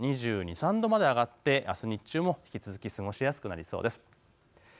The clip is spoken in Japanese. ２２、２３度まで上がってあす日中も引き続き過ごしやすくなりそうです。